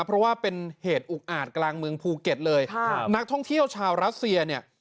เพราะว่าเป็นเหตุอุกอาจกลางเมืองภูเก็ตเลยค่ะนักท่องเที่ยวชาวรัสเซียเนี่ย